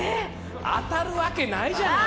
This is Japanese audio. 当たるわけないじゃない！